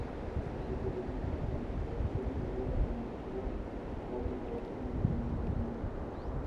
Se trata de un templo medieval construido en estilo gótico y manuelino.